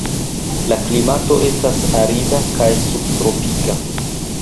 La klimato estas arida kaj subtropika.